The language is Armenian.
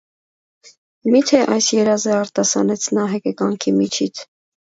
- Մի՞թե այս երազ է, - արտասանեց նա հեկեկանքի միջից: